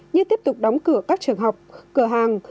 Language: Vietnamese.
như tiếp tục đóng cửa các trường học cửa hàng